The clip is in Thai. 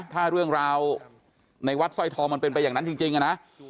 ถ้าเรื่องราวในวัดสร้อยทองมันเป็นไปอย่างนั้นจริงนะ